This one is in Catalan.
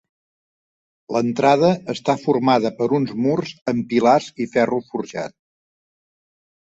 L'entrada està formada per uns murs amb pilars i ferro forjat.